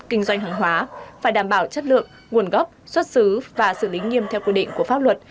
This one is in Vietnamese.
kinh doanh hàng hóa phải đảm bảo chất lượng nguồn gốc xuất xứ và xử lý nghiêm theo quy định của pháp luật